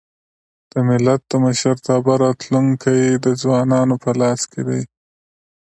د ملت د مشرتابه راتلونکی د ځوانانو په لاس کي دی.